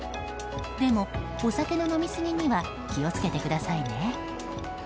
でも、お酒の飲みすぎには気を付けてくださいね。